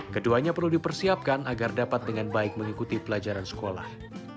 keduanya perlu dipersiapkan agar dapat dengan baik mengikuti pelajaran sekolah